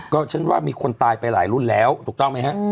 ก็ฉันว่ามีคนตายไปหลายรุ่นแล้วถูกต้องไหมฮะ